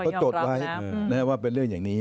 พอจดไว้นะครับว่าเป็นเรื่องอย่างนี้